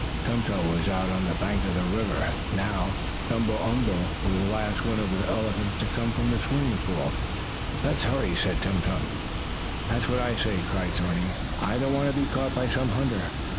Tum Tum was out on the bank of the river now. Gumble umble was the last one of the elephants to come from the swimming pool. "Let's hurry," said Tum Tum. "That's what I say!" cried Thorny. "I don't want to be caught by some hunter."